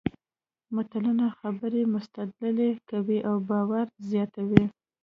متلونه خبرې مستدللې کوي او باور زیاتوي